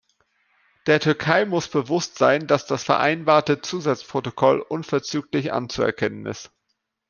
Der Türkei muss bewusst sein, dass das vereinbarte Zusatzprotokoll unverzüglich anzuerkennen ist.